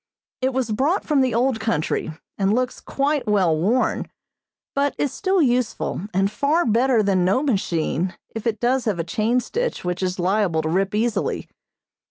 It was brought from the old country, and looks quite well worn, but is still useful and far better than no machine, if it does have a chain stitch which is liable to rip easily.